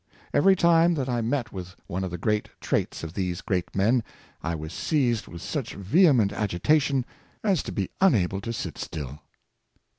Every time that I met with one of the grand traits of these great men I was seized with such vehement agitation as to be unable to sit still."